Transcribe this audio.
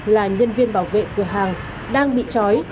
là nhân viên bảo vệ cửa hàng đang bị chói